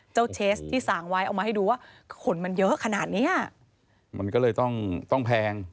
เชสที่สางไว้เอามาให้ดูว่าขนมันเยอะขนาดเนี้ยมันก็เลยต้องต้องแพง